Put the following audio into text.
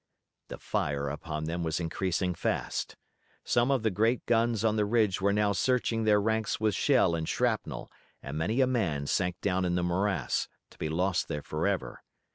The fire upon them was increasing fast. Some of the great guns on the ridge were now searching their ranks with shell and shrapnel and many a man sank down in the morass, to be lost there forever.